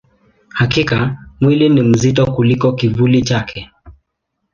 Hakika, mwili ni mzito kuliko kivuli chake.